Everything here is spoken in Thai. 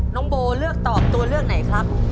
น้องโบเลือกตอบตัวเลือกไหนครับ